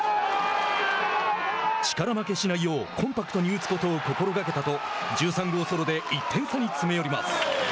力負けしないようコンパクトに打つことを心がけたと１３号ソロで１点差に詰め寄ります。